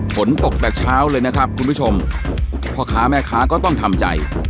ฝนตกแต่เช้าเลยนะครับคุณผู้ชมพ่อค้าแม่ค้าก็ต้องทำใจ